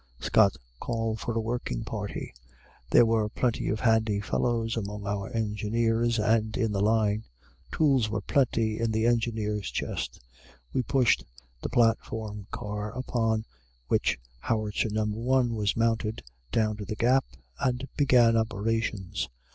Scott called for a working party. There were plenty of handy fellows among our Engineers and in the Line. Tools were plenty in the Engineers' chest. We pushed the platform car upon which howitzer No. 1 was mounted down to the gap, and began operations.